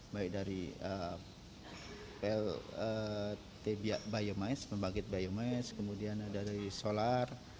baik dari pltb biomais pembangkit biomais kemudian ada dari solar